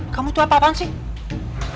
kamu tuh apa apaan sih